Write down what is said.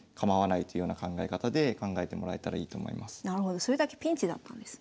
なるほどそれだけピンチだったんですね。